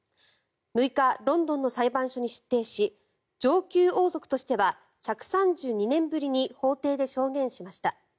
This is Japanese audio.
６日、ロンドンの裁判所に出廷し上級王族としては１３２年ぶりに法廷で証言しました。